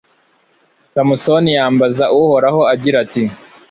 samusoni yambaza uhoraho, agira ati